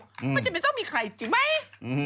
มันจะไม่ต้องมีใครจริงไหม